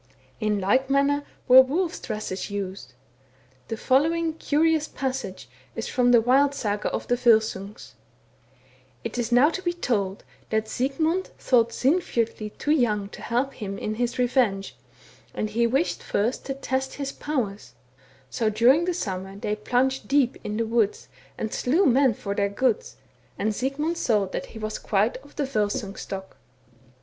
In like manner were wolves' dresses used. The following curious passage is from the wild Saga of the Volsungs :—" It is now to be told that Sigmund thought Sinfjotli too young to help him in his revenge, and he wished first to test his powers ; so during the summer they plunged deep into the wood and slew men for their goods, and Sigmund saw that he was quite of the Volsung stock.